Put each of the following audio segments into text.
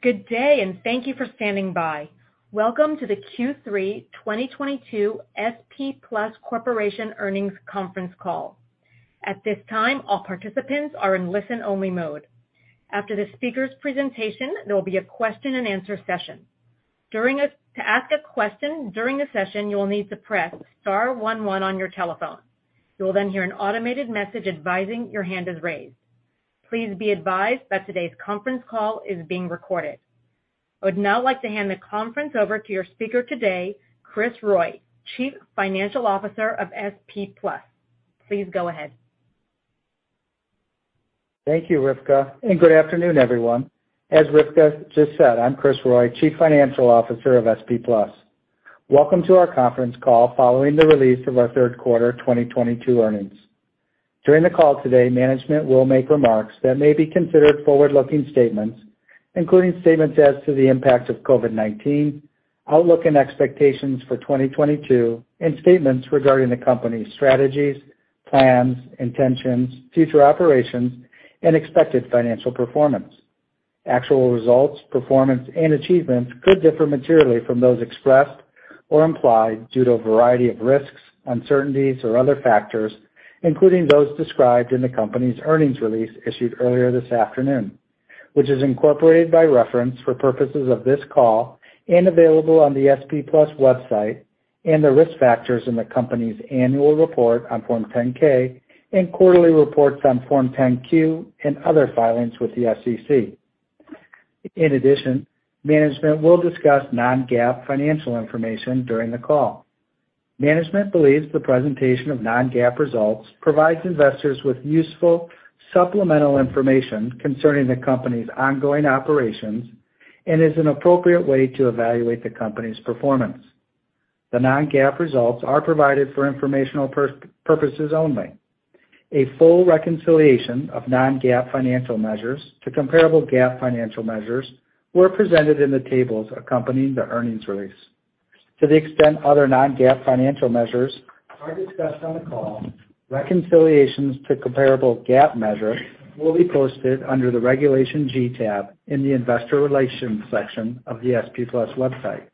Good day, and thank you for standing by. Welcome to the Q3 2022 SP Plus Corporation earnings conference call. At this time, all participants are in listen-only mode. After the speaker's presentation, there will be a question-and-answer session. To ask a question during the session, you will need to press star one one on your telephone. You will then hear an automated message advising your hand is raised. Please be advised that today's conference call is being recorded. I would now like to hand the conference over to your speaker today, Kris Roy, Chief Financial Officer of SP+. Please go ahead. Thank you, Rivka, and good afternoon, everyone. As Rivka just said, I'm Kris Roy, Chief Financial Officer of SP+. Welcome to our conference call following the release of our third quarter 2022 earnings. During the call today, management will make remarks that may be considered forward-looking statements, including statements as to the impact of COVID-19, outlook and expectations for 2022, and statements regarding the company's strategies, plans, intentions, future operations, and expected financial performance. Actual results, performance, and achievements could differ materially from those expressed or implied due to a variety of risks, uncertainties, or other factors, including those described in the company's earnings release issued earlier this afternoon, which is incorporated by reference for purposes of this call and available on the SP+ website, and the risk factors in the company's annual report on Form 10-K and quarterly reports on Form 10-Q and other filings with the SEC. In addition, management will discuss non-GAAP financial information during the call. Management believes the presentation of non-GAAP results provides investors with useful supplemental information concerning the company's ongoing operations and is an appropriate way to evaluate the company's performance. The non-GAAP results are provided for informational purposes only. A full reconciliation of non-GAAP financial measures to comparable GAAP financial measures were presented in the tables accompanying the earnings release. To the extent other non-GAAP financial measures are discussed on the call, reconciliations to comparable GAAP measures will be posted under the Regulation G tab in the investor relations section of the SP+ website.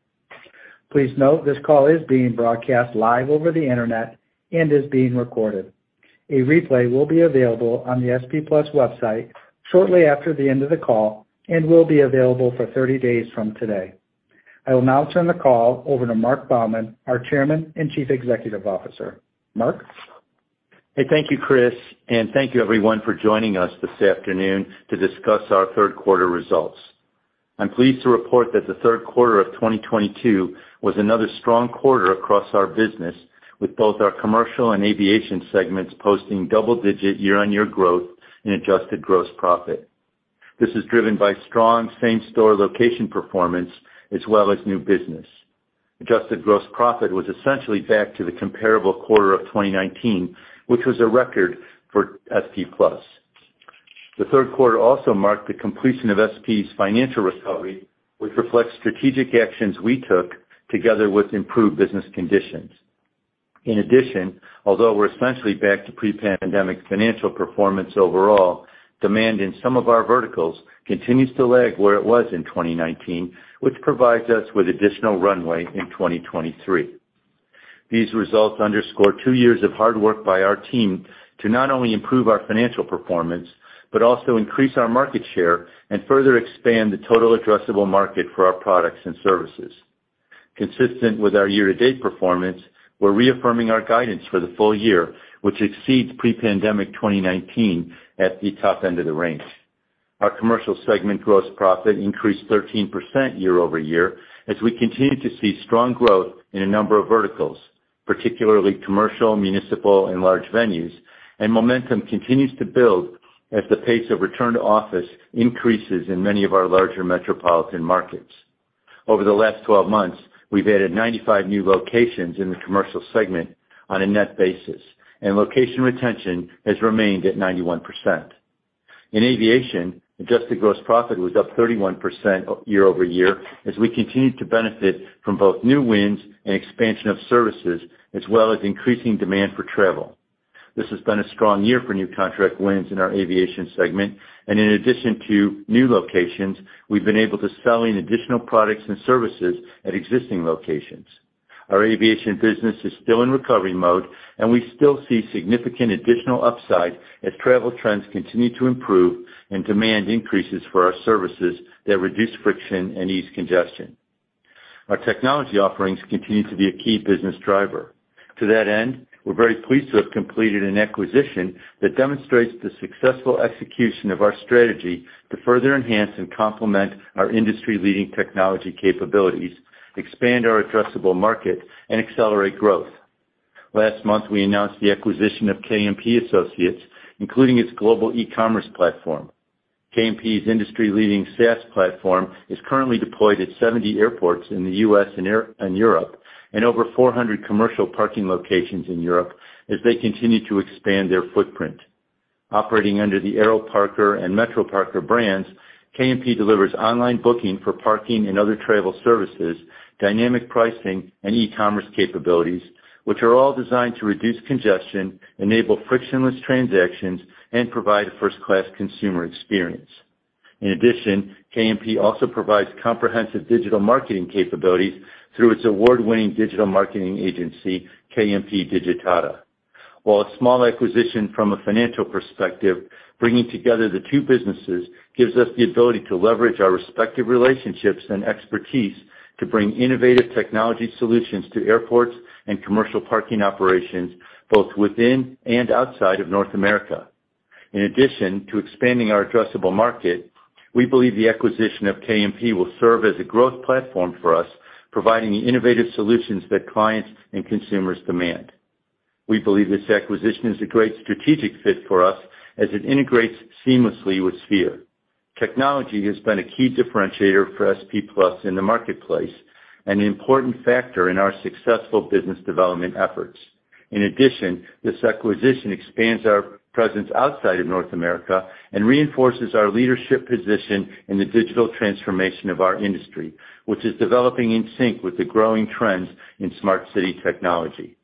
Please note this call is being broadcast live over the internet and is being recorded. A replay will be available on the SP+ website shortly after the end of the call and will be available for thirty days from today. I will now turn the call over to Marc Baumann, our Chairman and Chief Executive Officer. Marc? Hey, thank you, Kris. Thank you everyone for joining us this afternoon to discuss our third quarter results. I'm pleased to report that the third quarter of 2022 was another strong quarter across our business, with both our Commercial and Aviation segments posting double-digit year-on-year growth in adjusted gross profit. This is driven by strong same-store location performance as well as new business. Adjusted gross profit was essentially back to the comparable quarter of 2019, which was a record for SP+. The third quarter also marked the completion of SP's financial recovery, which reflects strategic actions we took together with improved business conditions. In addition, although we're essentially back to pre-pandemic financial performance overall, demand in some of our verticals continues to lag where it was in 2019, which provides us with additional runway in 2023. These results underscore two years of hard work by our team to not only improve our financial performance but also increase our market share and further expand the total addressable market for our products and services. Consistent with our year-to-date performance, we're reaffirming our guidance for the full year, which exceeds pre-pandemic 2019 at the top end of the range. Our Commercial segment gross profit increased 13% year-over-year as we continue to see strong growth in a number of verticals, particularly commercial, municipal, and large venues, and momentum continues to build as the pace of return to office increases in many of our larger metropolitan markets. Over the last 12 months, we've added 95 new locations in the Commercial segment on a net basis, and location retention has remained at 91%. In aviation, adjusted gross profit was up 31% year-over-year as we continued to benefit from both new wins and expansion of services, as well as increasing demand for travel. This has been a strong year for new contract wins in our Aviation segment, and in addition to new locations, we've been able to sell in additional products and services at existing locations. Our Aviation business is still in recovery mode, and we still see significant additional upside as travel trends continue to improve and demand increases for our services that reduce friction and ease congestion. Our technology offerings continue to be a key business driver. To that end, we're very pleased to have completed an acquisition that demonstrates the successful execution of our strategy to further enhance and complement our industry-leading technology capabilities, expand our addressable market, and accelerate growth. Last month, we announced the KMP Associates, including its global KMP's industry-leading SaaS platform is currently deployed at 70 airports in the U.S. and Europe and over 400 commercial parking locations in Europe as they continue to expand their footprint. Operating under the AeroParker and KMP delivers online booking for parking and other travel services, dynamic pricing, and e-commerce capabilities, which are all designed to reduce congestion, enable frictionless transactions, and provide a first-class consumer experience. KMP also provides comprehensive digital marketing capabilities through its award-winning digital marketing agency, KMP Digitata. While a small acquisition from a financial perspective, bringing together the two businesses gives us the ability to leverage our respective relationships and expertise to bring innovative technology solutions to airports and commercial parking operations both within and outside of North America. In addition to expanding our addressable market, we believe the acquisition of KMP will serve as a growth platform for us, providing the innovative solutions that clients and consumers demand. We believe this acquisition is a great strategic fit for us as it integrates seamlessly with Sphere. Technology has been a key differentiator for SP+ in the marketplace, an important factor in our successful business development efforts. In addition, this acquisition expands our presence outside of North America and reinforces our leadership position in the digital transformation of our industry, which is developing in sync with the growing trends in smart city technology.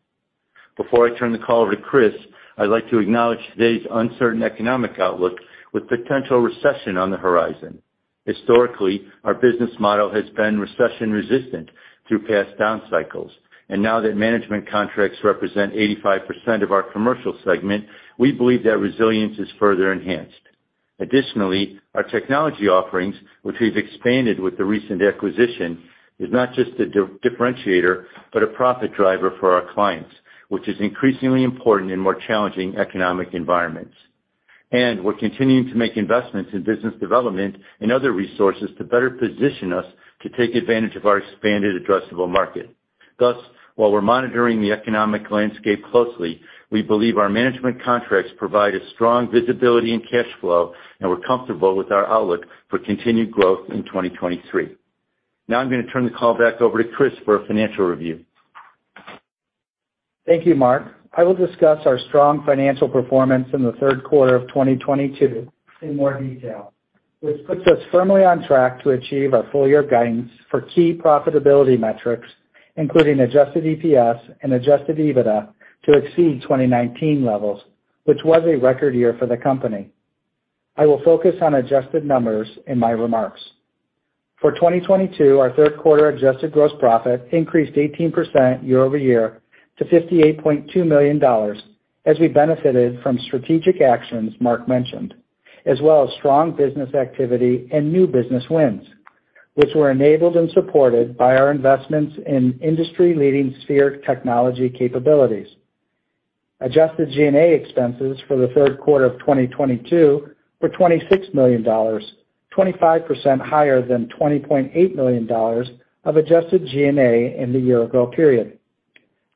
Before I turn the call over to Kris, I'd like to acknowledge today's uncertain economic outlook with potential recession on the horizon. Historically, our business model has been recession-resistant through past down cycles, and now that management contracts represent 85% of our Commercial segment, we believe that resilience is further enhanced. Additionally, our technology offerings, which we've expanded with the recent acquisition, is not just a differentiator, but a profit driver for our clients, which is increasingly important in more challenging economic environments. We're continuing to make investments in business development and other resources to better position us to take advantage of our expanded addressable market. Thus, while we're monitoring the economic landscape closely, we believe our management contracts provide a strong visibility and cash flow, and we're comfortable with our outlook for continued growth in 2023. Now I'm gonna turn the call back over to Kris for a financial review. Thank you, Marc. I will discuss our strong financial performance in the third quarter of 2022 in more detail, which puts us firmly on track to achieve our full year guidance for key profitability metrics, including adjusted EPS and adjusted EBITDA to exceed 2019 levels, which was a record year for the company. I will focus on adjusted numbers in my remarks. For 2022, our third quarter adjusted gross profit increased 18% year-over-year to $58.2 million, as we benefited from strategic actions Marc mentioned, as well as strong business activity and new business wins, which were enabled and supported by our investments in industry-leading Sphere technology capabilities. Adjusted G&A expenses for the third quarter of 2022 were $26 million, 25% higher than $20.8 million of adjusted G&A in the year-ago period.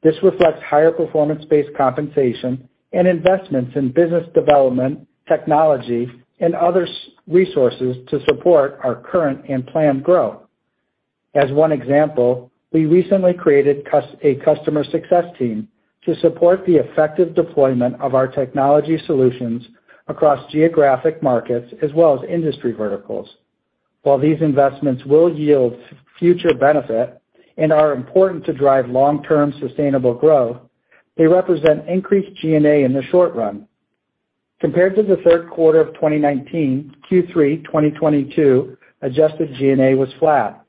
This reflects higher performance-based compensation and investments in business development, technology, and other resources to support our current and planned growth. As one example, we recently created a customer success team to support the effective deployment of our technology solutions across geographic markets as well as industry verticals. While these investments will yield future benefit and are important to drive long-term sustainable growth, they represent increased G&A in the short run. Compared to the third quarter of 2019, Q3 2022 adjusted G&A was flat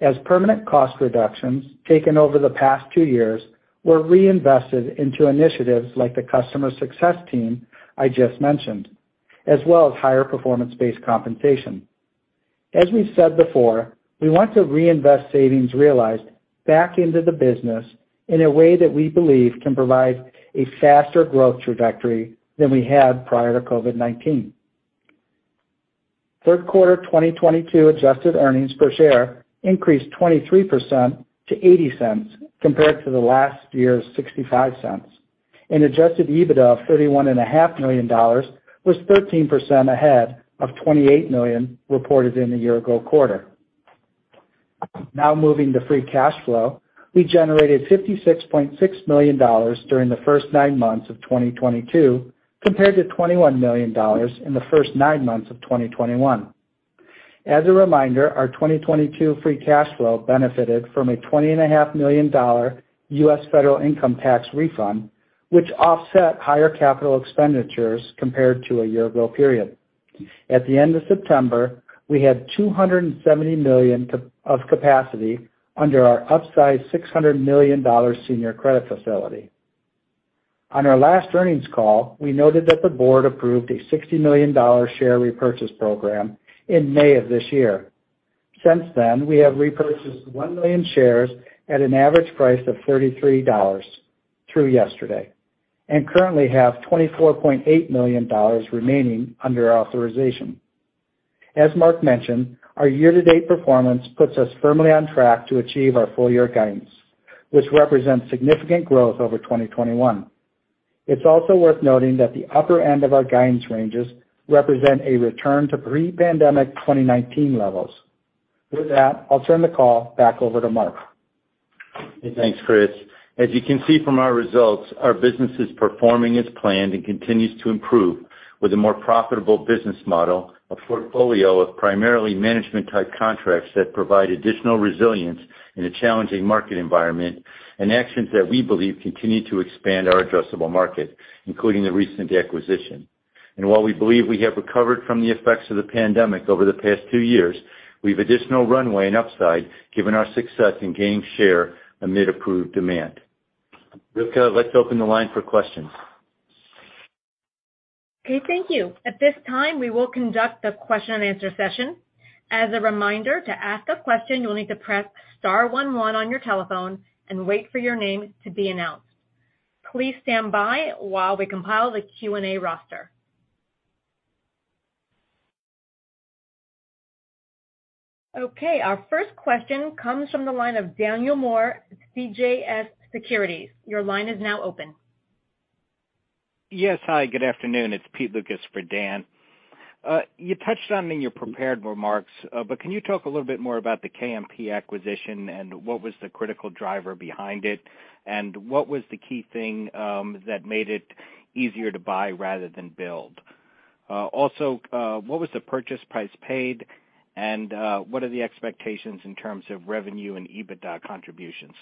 as permanent cost reductions taken over the past two years were reinvested into initiatives like the customer success team I just mentioned, as well as higher performance-based compensation. As we said before, we want to reinvest savings realized back into the business in a way that we believe can provide a faster growth trajectory than we had prior to COVID-19. Third quarter 2022 adjusted earnings per share increased 23% to $0.80 compared to last year's $0.65, and adjusted EBITDA of $31.5 million was 13% ahead of $28 million reported in the year-ago quarter. Now moving to free cash flow, we generated $56.6 million during the first nine months of 2022, compared to $21 million in the first nine months of 2021. As a reminder, our 2022 free cash flow benefited from a $20.5 million U.S. federal income tax refund, which offset higher capital expenditures compared to a year-ago period. At the end of September, we had 270 million of capacity under our $600 million senior credit facility. On our last earnings call, we noted that the board approved a $60 million share repurchase program in May of this year. Since then, we have repurchased 1 million shares at an average price of $33 through yesterday and currently have $24.8 million remaining under authorization. As Marc mentioned, our year-to-date performance puts us firmly on track to achieve our full year guidance, which represents significant growth over 2021. It's also worth noting that the upper end of our guidance ranges represent a return to pre-pandemic 2019 levels. With that, I'll turn the call back over to Marc. Hey, thanks, Kris. As you can see from our results, our business is performing as planned and continues to improve. With a more profitable business model, a portfolio of primarily management-type contracts that provide additional resilience in a challenging market environment, and actions that we believe continue to expand our addressable market, including the recent acquisition. While we believe we have recovered from the effects of the pandemic over the past two years, we've additional runway and upside given our success in gaining share amid improved demand. Rivka, let's open the line for questions. Okay, thank you. At this time, we will conduct the question-and-answer session. As a reminder, to ask a question, you'll need to press star one one on your telephone and wait for your name to be announced. Please stand by while we compile the Q&A roster. Okay, our first question comes from the line of Daniel Moore, CJS Securities. Your line is now open. Yes. Hi, good afternoon. It's Peter Lukas for Dan. You touched on it in your prepared remarks, but can you talk a little bit more about the KMP acquisition and what was the critical driver behind it? And what was the key thing that made it easier to buy rather than build? Also, what was the purchase price paid, and what are the expectations in terms of revenue and EBITDA contributions?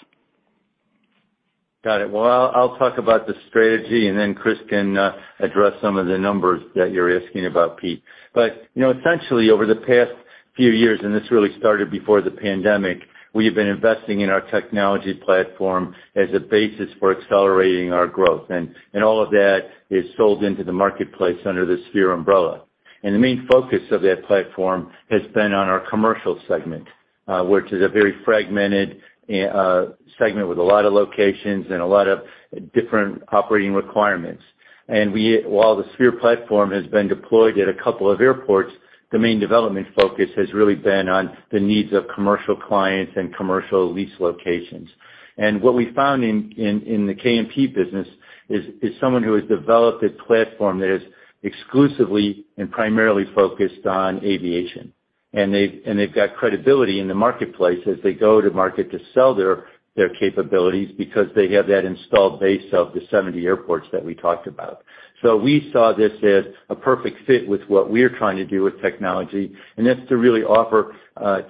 Got it. Well, I'll talk about the strategy, and then Kris can address some of the numbers that you're asking about, Pete. You know, essentially, over the past few years, and this really started before the pandemic, we have been investing in our technology platform as a basis for accelerating our growth. All of that is sold into the marketplace under the Sphere umbrella. The main focus of that platform has been on our Commercial segment, which is a very fragmented segment with a lot of locations and a lot of different operating requirements. While the Sphere platform has been deployed at a couple of airports, the main development focus has really been on the needs of commercial clients and commercial lease locations. What we found in the KMP business is someone who has developed a platform that is exclusively and primarily focused on aviation. They've got credibility in the marketplace as they go to market to sell their capabilities because they have that installed base of the 70 airports that we talked about. We saw this as a perfect fit with what we're trying to do with technology, and that's to really offer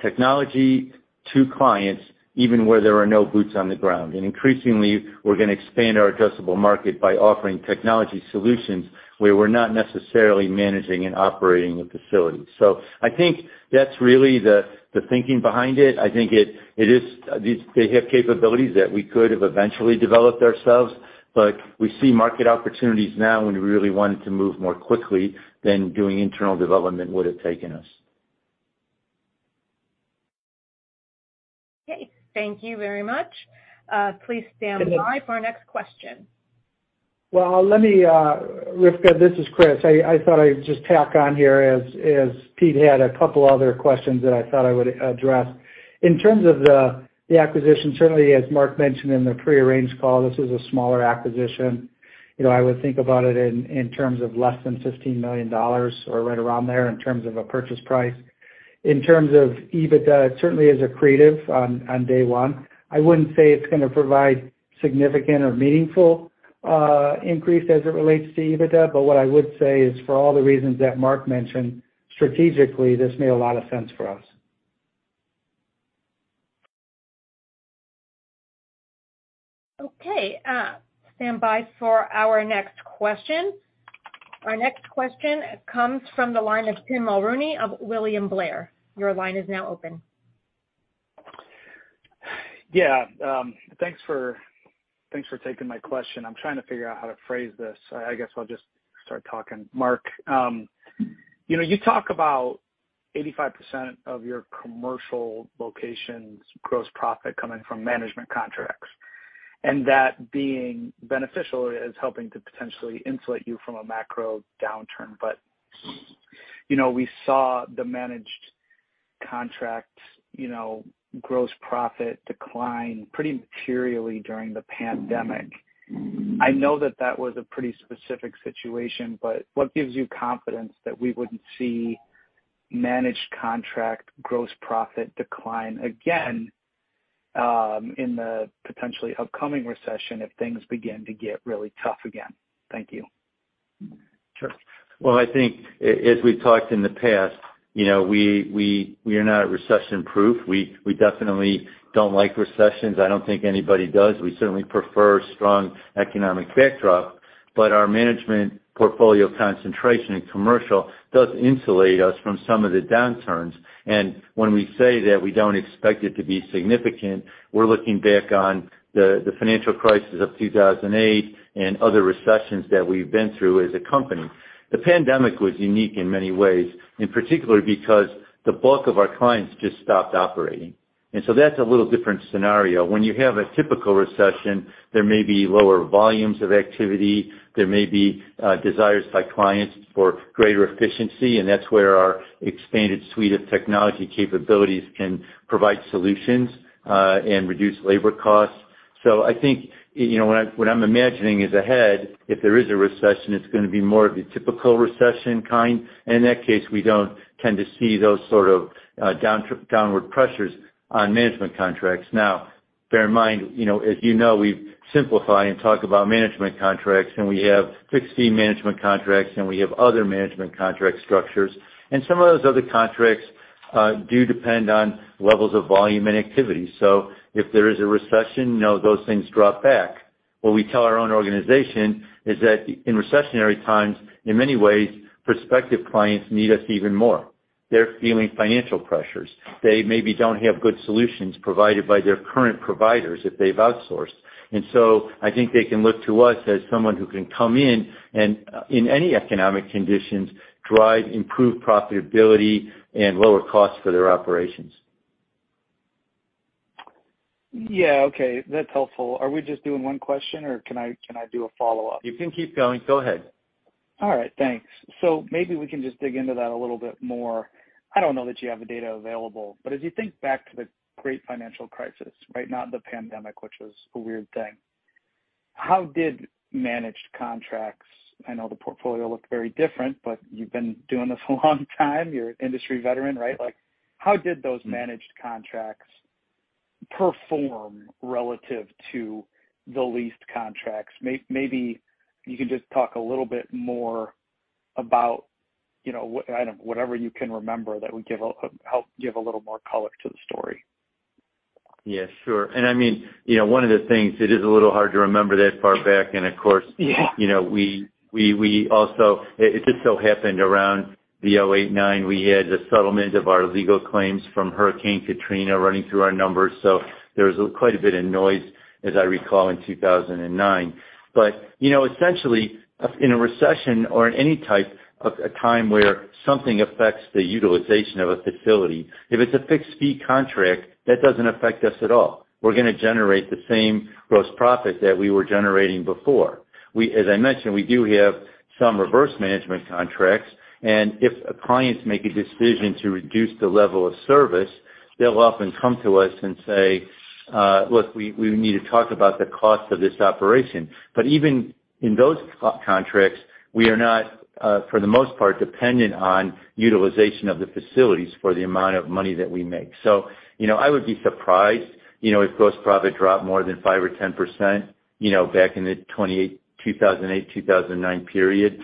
technology to clients even where there are no boots on the ground. Increasingly, we're gonna expand our addressable market by offering technology solutions where we're not necessarily managing and operating the facility. I think that's really the thinking behind it. I think they have capabilities that we could have eventually developed ourselves, but we see market opportunities now, and we really wanted to move more quickly than doing internal development would've taken us. Okay, thank you very much. Please stand by for our next question. Well, let me Rivka, this is Kris. I thought I'd just tack on here as Pete had a couple other questions that I thought I would address. In terms of the acquisition, certainly as Marc mentioned in the prearranged call, this is a smaller acquisition. You know, I would think about it in terms of less than $15 million or right around there in terms of a purchase price. In terms of EBITDA, it certainly is accretive on day one. I wouldn't say it's gonna provide significant or meaningful increase as it relates to EBITDA. What I would say is for all the reasons that Marc mentioned, strategically this made a lot of sense for us. Okay, stand by for our next question. Our next question comes from the line of Tim Mulrooney of William Blair. Your line is now open. Yeah. Thanks for taking my question. I'm trying to figure out how to phrase this. I guess I'll just start talking. Marc, you know, you talk about 85% of your commercial locations gross profit coming from management contracts, and that being beneficial is helping to potentially insulate you from a macro downturn. You know, we saw the managed contracts, you know, gross profit decline pretty materially during the pandemic. I know that was a pretty specific situation. What gives you confidence that we wouldn't see managed contract gross profit decline again, in the potentially upcoming recession if things begin to get really tough again? Thank you. Sure. Well, I think as we've talked in the past, you know, we are not recession-proof. We definitely don't like recessions. I don't think anybody does. We certainly prefer strong economic backdrop. But our management portfolio concentration in commercial does insulate us from some of the downturns. When we say that we don't expect it to be significant, we're looking back on the financial crisis of 2008 and other recessions that we've been through as a company. The pandemic was unique in many ways, in particular because the bulk of our clients just stopped operating. That's a little different scenario. When you have a typical recession, there may be lower volumes of activity, there may be desires by clients for greater efficiency, and that's where our expanded suite of technology capabilities can provide solutions and reduce labor costs. I think, you know, what I'm imagining is ahead, if there is a recession, it's gonna be more of a typical recession kind. In that case, we don't tend to see those sort of downward pressures on management contracts. Now, bear in mind, you know, as you know, we simplify and talk about management contracts, and we have fixed fee management contracts, and we have other management contract structures. Some of those other contracts do depend on levels of volume and activity. If there is a recession, you know, those things drop back. What we tell our own organization is that in recessionary times, in many ways, prospective clients need us even more. They're feeling financial pressures. They maybe don't have good solutions provided by their current providers if they've outsourced. I think they can look to us as someone who can come in and, in any economic conditions, drive improved profitability and lower costs for their operations. Yeah. Okay. That's helpful. Are we just doing one question, or can I do a follow-up? You can keep going. Go ahead. All right. Thanks. Maybe we can just dig into that a little bit more. I don't know that you have the data available, but as you think back to the great financial crisis, right? Not the pandemic, which was a weird thing. How did managed contracts? I know the portfolio looked very different, but you've been doing this a long time. You're an industry veteran, right? Like, how did those managed contracts perform relative to the leased contracts? Maybe you can just talk a little bit more about, you know, whatever you can remember that would help give a little more color to the story. Yeah, sure. I mean, you know, one of the things, it is a little hard to remember that far back. Of course. Yeah You know, we also. It just so happened around the 2008, 2009, we had a settlement of our legal claims from Hurricane Katrina running through our numbers. There was quite a bit of noise, as I recall, in 2009. You know, essentially, in a recession or in any type of a time where something affects the utilization of a facility, if it's a fixed fee contract, that doesn't affect us at all. We're gonna generate the same gross profit that we were generating before. As I mentioned, we do have some reverse management contracts, and if clients make a decision to reduce the level of service, they'll often come to us and say, "Look, we need to talk about the cost of this operation." Even in those contracts, we are not, for the most part, dependent on utilization of the facilities for the amount of money that we make. You know, I would be surprised, you know, if gross profit dropped more than 5%-10%, you know, back in the 2008-2009 period,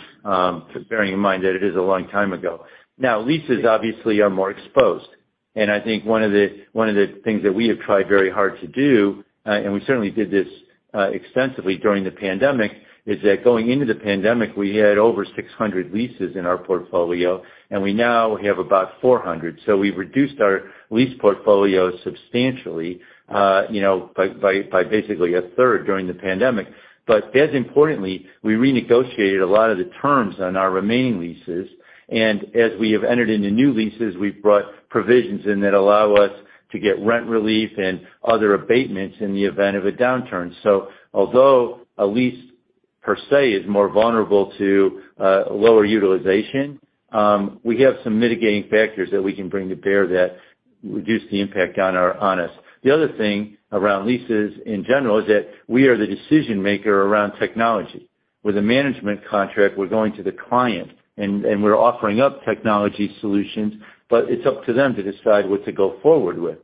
bearing in mind that it is a long time ago. Now, leases obviously are more exposed. I think one of the things that we have tried very hard to do, and we certainly did this extensively during the pandemic, is that going into the pandemic, we had over 600 leases in our portfolio, and we now have about 400. We've reduced our lease portfolio substantially, you know, by basically a third during the pandemic. As importantly, we renegotiated a lot of the terms on our remaining leases. As we have entered into new leases, we've brought provisions in that allow us to get rent relief and other abatements in the event of a downturn. Although a lease per se is more vulnerable to lower utilization, we have some mitigating factors that we can bring to bear that reduce the impact on us. The other thing around leases in general is that we are the decision-maker around technology. With a management contract, we're going to the client and we're offering up technology solutions, but it's up to them to decide what to go forward with.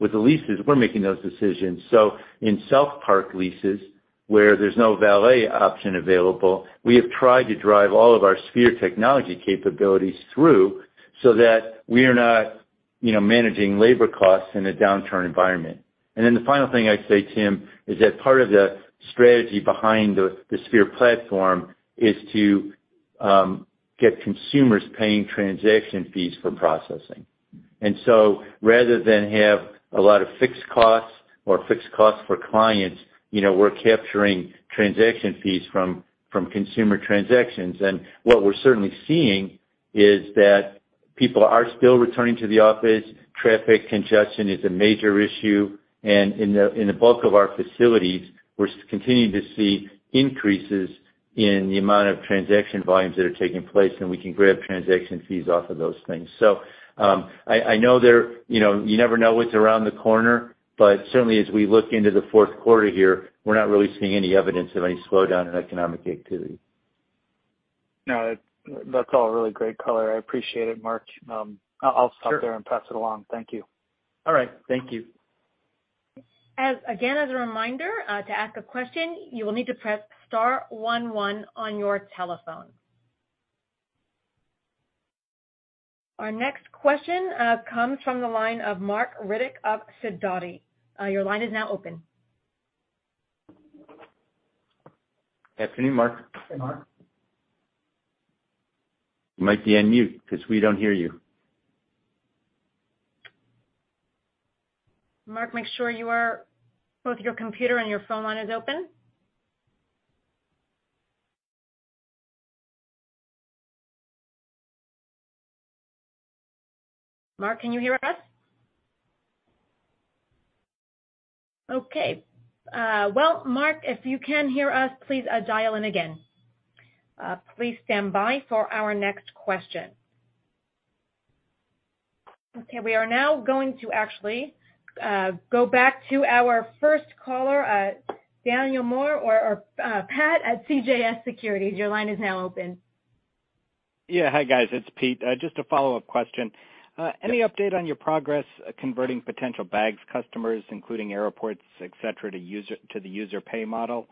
With the leases, we're making those decisions. In some of our park leases, where there's no valet option available, we have tried to drive all of our Sphere technology capabilities through so that we are not, you know, managing labor costs in a downturn environment. The final thing I'd say, Tim, is that part of the strategy behind the Sphere platform is to get consumers paying transaction fees for processing. Rather than have a lot of fixed costs or fixed costs for clients, you know, we're capturing transaction fees from consumer transactions. What we're certainly seeing is that people are still returning to the office. Traffic congestion is a major issue. In the bulk of our facilities, we're continuing to see increases in the amount of transaction volumes that are taking place, and we can grab transaction fees off of those things. I know you know, you never know what's around the corner, but certainly as we look into the fourth quarter here, we're not really seeing any evidence of any slowdown in economic activity. No, that's all really great color. I appreciate it, Marc. I'll stop there. Sure. pass it along. Thank you. All right. Thank you. Again, as a reminder, to ask a question, you will need to press star one one on your telephone. Our next question comes from the line of Marc Riddick of Sidoti. Your line is now open. Good afternoon, Marc. Hey, Marc. You might be on mute because we don't hear you. Marc, make sure both your computer and your phone line is open. Marc, can you hear us? Marc, if you can hear us, please dial in again. Please stand by for our next question. We are now going to actually go back to our first caller, Daniel Moore or Pete at CJS Securities. Your line is now open. Yeah. Hi guys, it's Pete. Just a follow-up question. Any update on your progress converting potential Bags customers, including airports, et cetera, to the user pay model?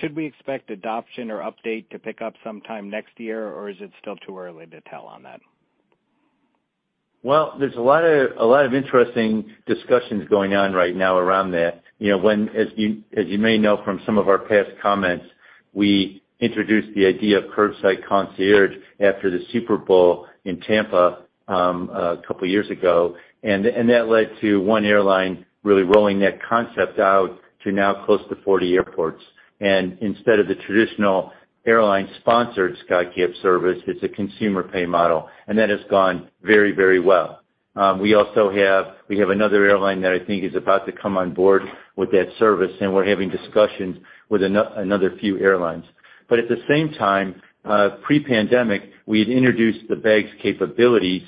Should we expect adoption or update to pick up sometime next year, or is it still too early to tell on that? Well, there's a lot of interesting discussions going on right now around that. You know, as you may know from some of our past comments, we introduced the idea of Curbside Concierge after the Super Bowl in Tampa, a couple of years ago. That led to one airline really rolling that concept out to now close to 40 airports. Instead of the traditional airline-sponsored Skycap service, it's a consumer pay model, and that has gone very well. We have another airline that I think is about to come on board with that service, and we're having discussions with another few airlines. At the same time, pre-pandemic, we had introduced the Bags capabilities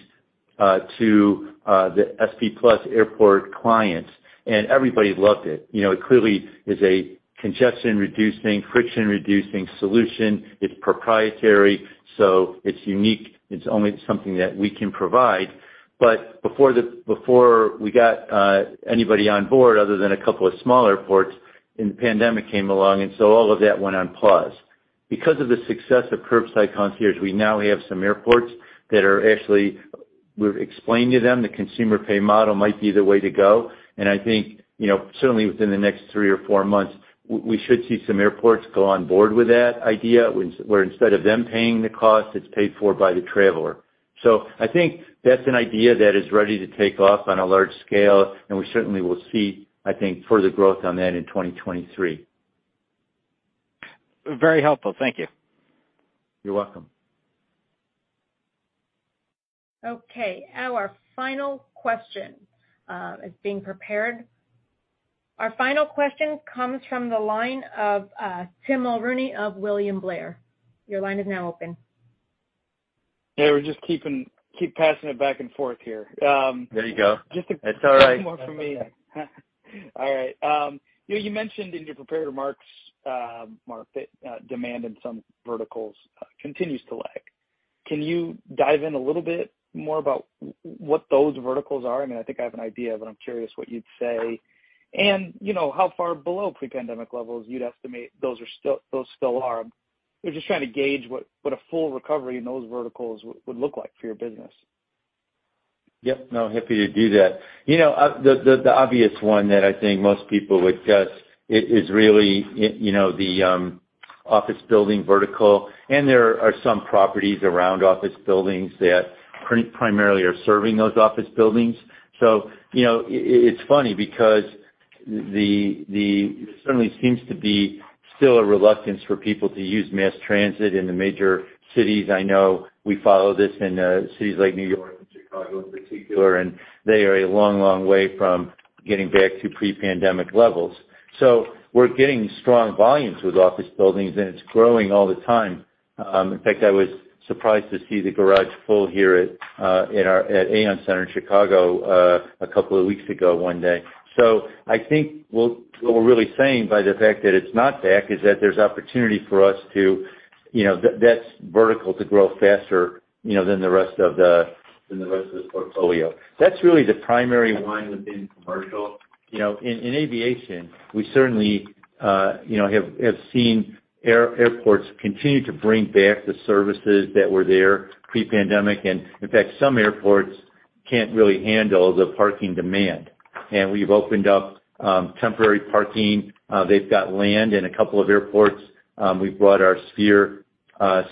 to the SP+ airport clients, and everybody loved it. You know, it clearly is a congestion-reducing, friction-reducing solution. It's proprietary, so it's unique. It's only something that we can provide. Before we got anybody on board other than a couple of small airports and the pandemic came along, so all of that went on pause. Because of the success of Curbside Concierge, we now have some airports. We've explained to them the consumer pay model might be the way to go. I think, you know, certainly within the next three or four months, we should see some airports go on board with that idea, where instead of them paying the cost, it's paid for by the traveler. I think that's an idea that is ready to take off on a large scale, and we certainly will see, I think, further growth on that in 2023. Very helpful. Thank you. You're welcome. Okay, our final question is being prepared. Our final question comes from the line of Tim Mulrooney of William Blair. Your line is now open. Yeah, we're just keep passing it back and forth here. There you go. Just a- It's all right. One more from me. All right. You know, you mentioned in your prepared remarks, Marc, that demand in some verticals continues to lag. Can you dive in a little bit more about what those verticals are? I mean, I think I have an idea, but I'm curious what you'd say. You know, how far below pre-pandemic levels you'd estimate those still are. We're just trying to gauge what a full recovery in those verticals would look like for your business. Yep. No, happy to do that. You know, the obvious one that I think most people would guess is really, you know, the office building vertical, and there are some properties around office buildings that primarily are serving those office buildings. You know, it's funny because there certainly seems to be still a reluctance for people to use mass transit in the major cities. I know we follow this in cities like New York and Chicago in particular, and they are a long way from getting back to pre-pandemic levels. We're getting strong volumes with office buildings, and it's growing all the time. In fact, I was surprised to see the garage full here at Aon Center in Chicago a couple of weeks ago one day. I think what we're really saying by the fact that it's not back is that there's opportunity for us to, you know, that vertical to grow faster, you know, than the rest of the portfolio. That's really the primary line within commercial. In aviation, we certainly, you know, have seen airports continue to bring back the services that were there pre-pandemic. In fact, some airports can't really handle the parking demand. We've opened up temporary parking. They've got land in a couple of airports. We've brought our Sphere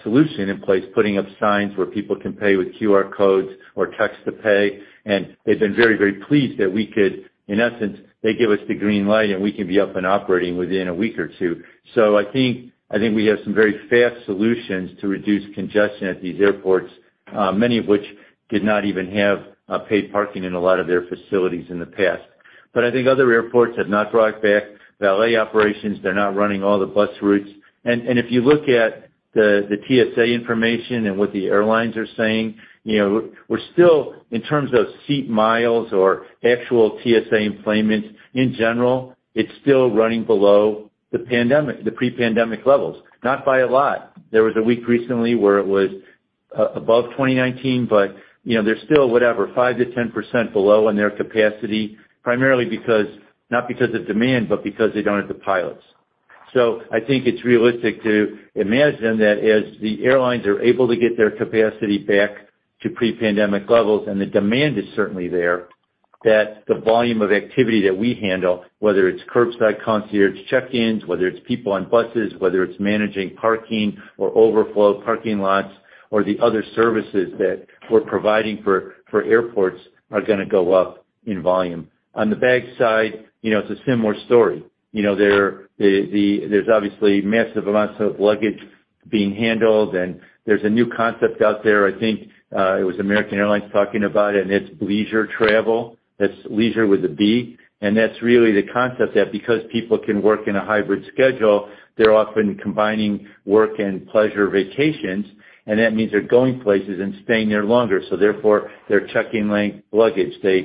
solution in place, putting up signs where people can pay with QR codes or text to pay. They've been very, very pleased that we could, in essence, they give us the green light and we can be up and operating within a week or two. I think we have some very fast solutions to reduce congestion at these airports, many of which did not even have paid parking in a lot of their facilities in the past. I think other airports have not brought back valet operations. They're not running all the bus routes. If you look at the TSA information and what the airlines are saying, you know, we're still in terms of seat miles or actual TSA enplanements, in general, it's still running below the pre-pandemic levels, not by a lot. There was a week recently where it was above 2019, but, you know, they're still, whatever, 5%-10% below in their capacity, primarily because, not because of demand, but because they don't have the pilots. I think it's realistic to imagine that as the airlines are able to get their capacity back to pre-pandemic levels, and the demand is certainly there, that the volume of activity that we handle, whether it's Curbside Concierge check-ins, whether it's people on buses, whether it's managing parking or overflow parking lots or the other services that we're providing for airports, are gonna go up in volume. On the bag side, you know, it's a similar story. You know, there's obviously massive amounts of luggage being handled, and there's a new concept out there. I think it was American Airlines talking about it, and it's bleisure travel. That's leisure with a B. That's really the concept that because people can work in a hybrid schedule, they're often combining work and pleasure vacations, and that means they're going places and staying there longer. Therefore, they're checking like luggage. They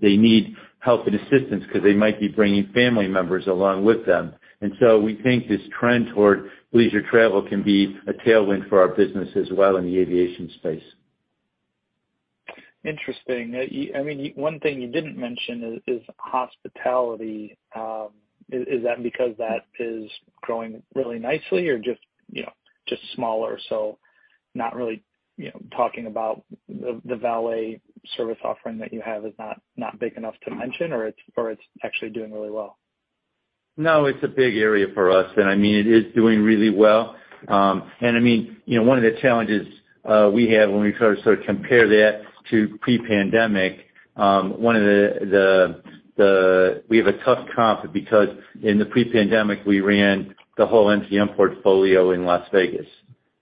need help and assistance because they might be bringing family members along with them. We think this trend toward bleisure travel can be a tailwind for our business as well in the aviation space. Interesting. I mean, one thing you didn't mention is hospitality. Is that because that is growing really nicely or just, you know, just smaller, so not really, you know, talking about the valet service offering that you have is not big enough to mention or it's actually doing really well? No, it's a big area for us. I mean, it is doing really well. I mean, you know, one of the challenges we have when we try to sort of compare that to pre-pandemic. We have a tough comp because in the pre-pandemic, we ran the whole MGM portfolio in Las Vegas,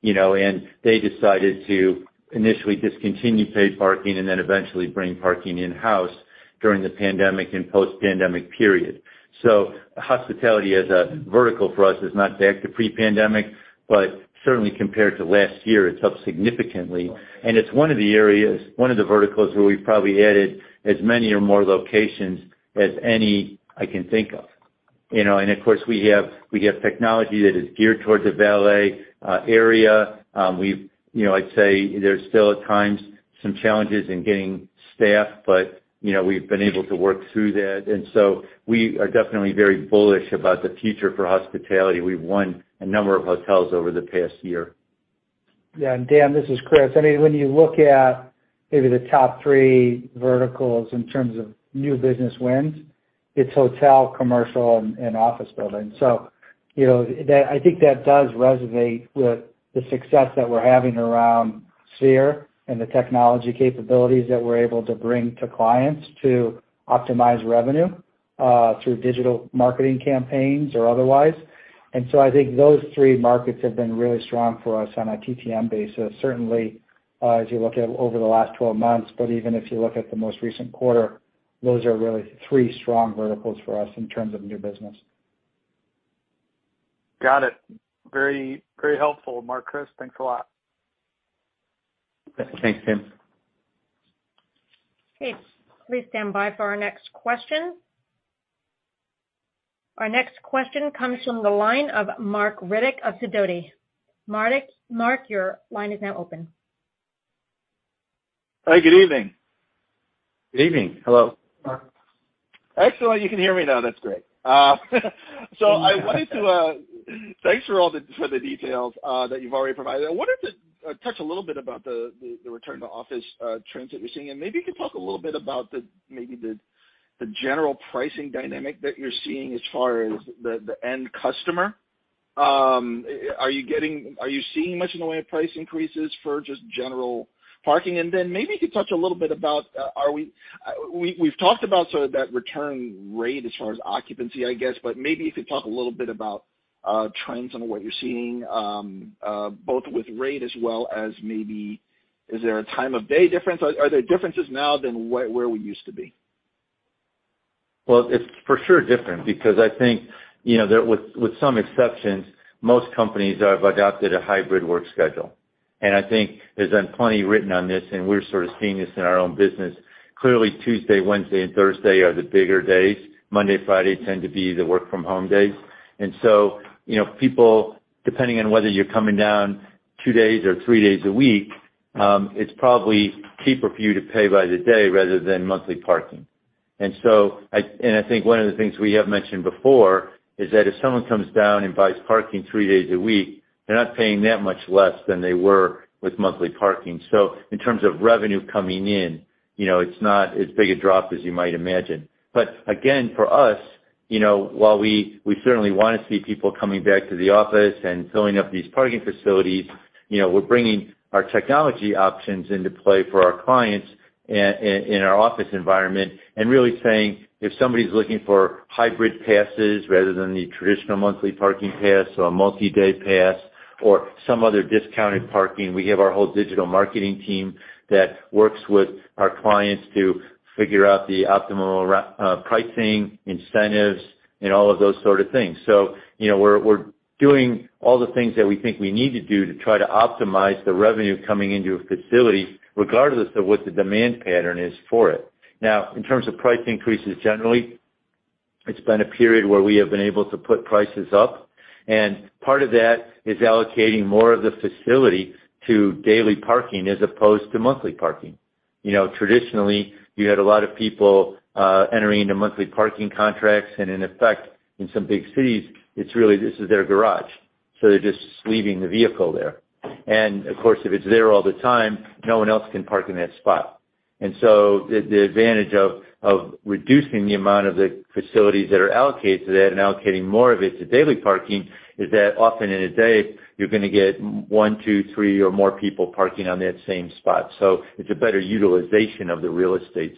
you know, and they decided to initially discontinue paid parking and then eventually bring parking in-house during the pandemic and post-pandemic period. Hospitality as a vertical for us is not back to pre-pandemic, but certainly compared to last year, it's up significantly. It's one of the areas, one of the verticals where we've probably added as many or more locations as any I can think of. You know, of course, we have technology that is geared towards a valet area. You know, I'd say there's still at times some challenges in getting staff, but, you know, we've been able to work through that. We are definitely very bullish about the future for hospitality. We've won a number of hotels over the past year. Yeah. Dan, this is Kris. I mean, when you look at maybe the top three verticals in terms of new business wins, it's hotel, commercial, and office building. You know, that, I think that does resonate with the success that we're having around Sphere and the technology capabilities that we're able to bring to clients to optimize revenue through digital marketing campaigns or otherwise. I think those three markets have been really strong for us on a TTM basis, certainly, as you look at over the last 12 months. Even if you look at the most recent quarter, those are really three strong verticals for us in terms of new business. Got it. Very, very helpful, Marc, Kris. Thanks a lot. Thanks, Tim. Okay. Please stand by for our next question. Our next question comes from the line of Marc Riddick of Sidoti. Riddick. Marc, your line is now open. Hi, good evening. Good evening. Hello. Marc. Excellent. You can hear me now. That's great. Thanks for all the details that you've already provided. I wonder if you'd touch a little bit about the return to office trends that you're seeing, and maybe you could talk a little bit about maybe the general pricing dynamic that you're seeing as far as the end customer. Are you seeing much in the way of price increases for just general parking? Maybe you could touch a little bit about, we've talked about sort of that return rate as far as occupancy, I guess, but maybe if you talk a little bit about trends on what you're seeing, both with rate as well as maybe is there a time of day difference? Are there differences now than where we used to be? Well, it's for sure different because I think, you know, there with some exceptions, most companies have adopted a hybrid work schedule. I think there's been plenty written on this, and we're sort of seeing this in our own business. Clearly, Tuesday, Wednesday and Thursday are the bigger days. Monday, Friday tend to be the work from home days. You know, people, depending on whether you're coming down two days or three days a week, it's probably cheaper for you to pay by the day rather than monthly parking. I think one of the things we have mentioned before is that if someone comes down and buys parking three days a week, they're not paying that much less than they were with monthly parking. In terms of revenue coming in, you know, it's not as big a drop as you might imagine. Again, for us, you know, while we certainly wanna see people coming back to the office and filling up these parking facilities, you know, we're bringing our technology options into play for our clients in our office environment and really saying, if somebody's looking for hybrid passes rather than the traditional monthly parking pass or a multi-day pass or some other discounted parking, we have our whole digital marketing team that works with our clients to figure out the optimal pricing, incentives, and all of those sort of things. You know, we're doing all the things that we think we need to do to try to optimize the revenue coming into a facility regardless of what the demand pattern is for it. Now, in terms of price increases, generally, it's been a period where we have been able to put prices up, and part of that is allocating more of the facility to daily parking as opposed to monthly parking. You know, traditionally, you had a lot of people entering into monthly parking contracts, and in effect, in some big cities, it's really this is their garage, so they're just leaving the vehicle there. Of course, if it's there all the time, no one else can park in that spot. The advantage of reducing the amount of the facilities that are allocated to that and allocating more of it to daily parking is that often in a day, you're gonna get one, two, three or more people parking on that same spot. It's a better utilization of the real estate.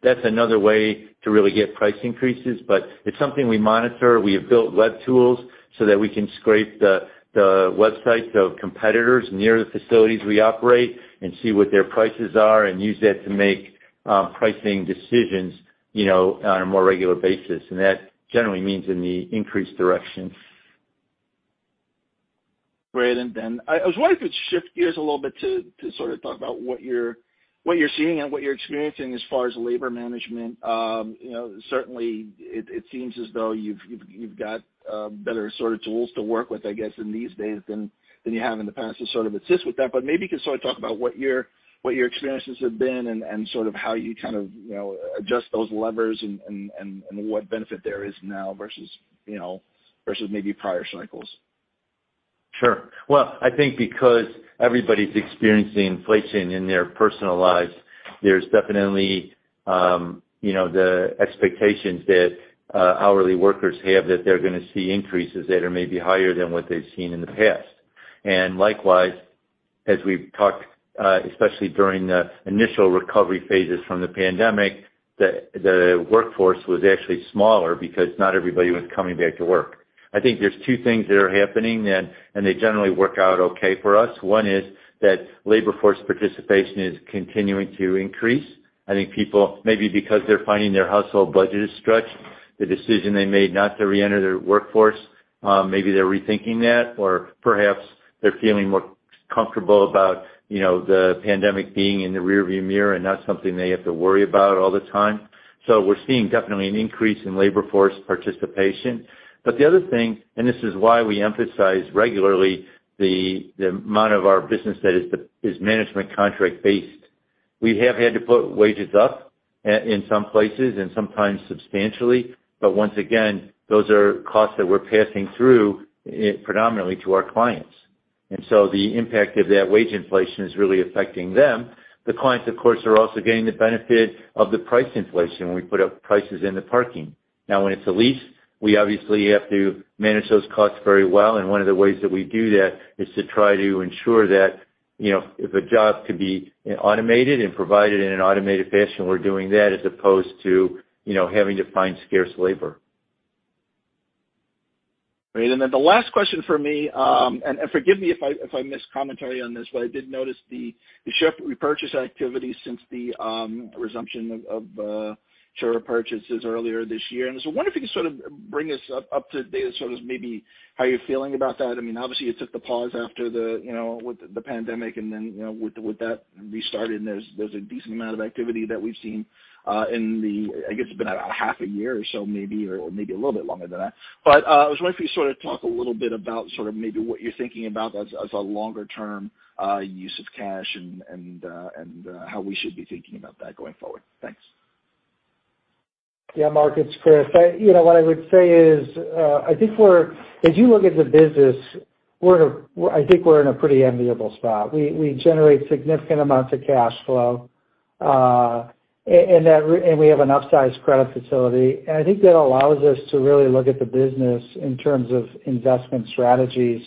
That's another way to really get price increases, but it's something we monitor. We have built web tools so that we can scrape the websites of competitors near the facilities we operate and see what their prices are and use that to make pricing decisions, you know, on a more regular basis. That generally means in the increased direction. Great. I was wondering if you'd shift gears a little bit to sort of talk about what you're seeing and what you're experiencing as far as labor management. You know, certainly it seems as though you've got better sort of tools to work with, I guess, in these days than you have in the past to sort of assist with that. But maybe you can sort of talk about what your experiences have been and sort of how you kind of, you know, adjust those levers and what benefit there is now versus, you know, versus maybe prior cycles. Sure. Well, I think because everybody's experiencing inflation in their personal lives, there's definitely, you know, the expectations that hourly workers have that they're gonna see increases that are maybe higher than what they've seen in the past. Likewise, as we've talked, especially during the initial recovery phases from the pandemic, the workforce was actually smaller because not everybody was coming back to work. I think there's two things that are happening then, and they generally work out okay for us. One is that labor force participation is continuing to increase. I think people, maybe because they're finding their household budget is stretched, the decision they made not to reenter their workforce, maybe they're rethinking that or perhaps they're feeling more comfortable about, you know, the pandemic being in the rear view mirror and not something they have to worry about all the time. We're seeing definitely an increase in labor force participation. The other thing, and this is why we emphasize regularly the amount of our business that is management contract based, we have had to put wages up in some places and sometimes substantially. Once again, those are costs that we're passing through predominantly to our clients. The impact of that wage inflation is really affecting them. The clients, of course, are also getting the benefit of the price inflation when we put up prices in the parking. Now, when it's a lease, we obviously have to manage those costs very well, and one of the ways that we do that is to try to ensure that, you know, if a job could be automated and provided in an automated fashion, we're doing that as opposed to, you know, having to find scarce labor. Great. Then the last question for me, and forgive me if I missed commentary on this, but I did notice the share repurchase activity since the resumption of share repurchases earlier this year. I wonder if you could sort of bring us up to date as sort of maybe how you're feeling about that. I mean, obviously you took the pause after the, you know, with the pandemic and then, you know, with that restarted and there's a decent amount of activity that we've seen in the. I guess it's been about half a year or so maybe or maybe a little bit longer than that. I was wondering if you sort of talk a little bit about sort of maybe what you're thinking about as a longer term use of cash and how we should be thinking about that going forward. Thanks. Yeah, Marc, it's Kris. You know, what I would say is, I think as you look at the business, we're in a pretty enviable spot. We generate significant amounts of cash flow, and we have an upsized credit facility, and I think that allows us to really look at the business in terms of investment strategies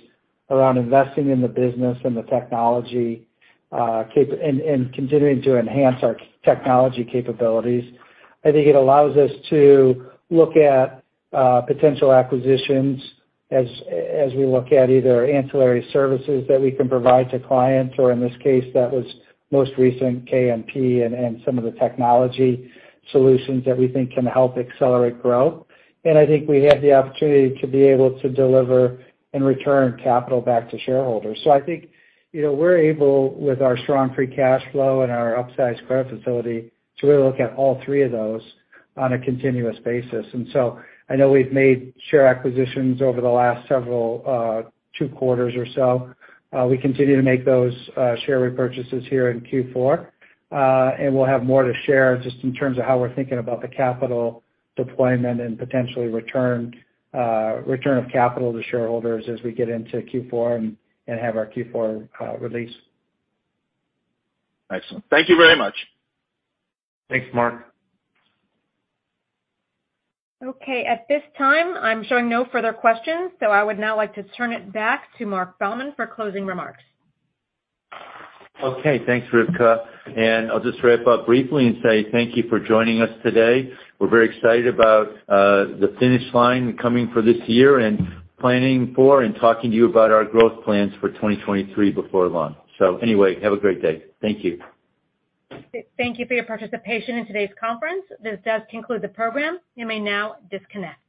around investing in the business and the technology, and continuing to enhance our technology capabilities. I think it allows us to look at potential acquisitions as we look at either ancillary services that we can provide to clients or in this case that was most recent KMP and some of the technology solutions that we think can help accelerate growth. I think we have the opportunity to be able to deliver and return capital back to shareholders. I think, you know, we're able, with our strong free cash flow and our upsized credit facility, to really look at all three of those on a continuous basis. I know we've made share acquisitions over the last several, two quarters or so. We continue to make those, share repurchases here in Q4. We'll have more to share just in terms of how we're thinking about the capital deployment and potentially return of capital to shareholders as we get into Q4 and have our Q4 release. Excellent. Thank you very much. Thanks, Marc. Okay. At this time, I'm showing no further questions, so I would now like to turn it back to Marc Baumann for closing remarks. Okay. Thanks, Rivka. I'll just wrap up briefly and say thank you for joining us today. We're very excited about the finish line coming for this year and planning for and talking to you about our growth plans for 2023 before long. Anyway, have a great day. Thank you. Thank you for your participation in today's conference. This does conclude the program. You may now disconnect.